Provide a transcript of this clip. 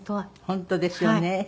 本当ですよね